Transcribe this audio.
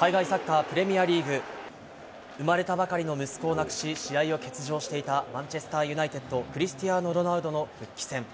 海外サッカー、プレミアリーグ。産まれたばかりの息子を亡くし、試合を欠場していた、マンチェスター・ユナイテッド、クリスチアーノ・ロナウドの復帰戦。